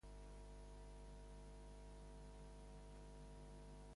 Uns mengen i altres dejunen.